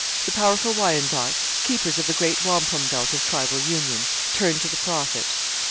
The powerful Wyandots, keepers of the great wampum belt of tribal union, turned to the Prophet.